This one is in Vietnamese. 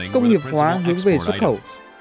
công nghiệp hóa hướng về xuất khẩu